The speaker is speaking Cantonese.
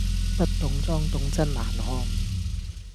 不懂裝懂真難看